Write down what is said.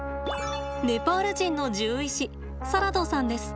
ネパール人の獣医師サラドさんです。